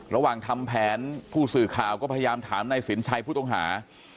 ระหว่างทำแผนผู้สื่อข่าวก็พยายามถามนายสินชัยผู้ต้องหา